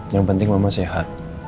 yang penting mama sehat